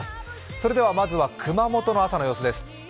それではまずは熊本の朝の様子です。